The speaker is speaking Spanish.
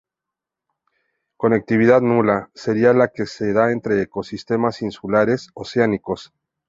Conectividad nula, sería la que se da entre ecosistemas insulares oceánicos.